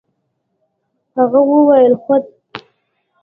هغه وويل خود.